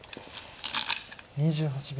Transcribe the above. ２８秒。